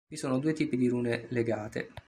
Vi sono due tipi di rune legate.